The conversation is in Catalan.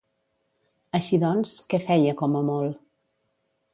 Així doncs, què feia, com a molt?